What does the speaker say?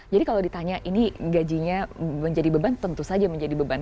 jadi kalau ditanya ini gajinya menjadi beban tentu saja menjadi beban